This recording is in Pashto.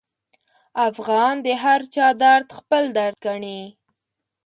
افغان د هرچا درد خپل درد ګڼي.